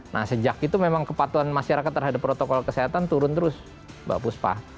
nah sejak itu memang kepatuhan masyarakat terhadap protokol kesehatan turun terus mbak puspa